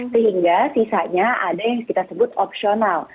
sehingga sisanya ada yang kita sebut opsional